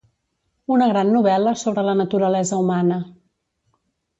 Una gran novel·la sobre la naturalesa humana.